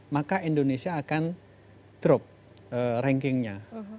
maka indonesia akan drop rankingnya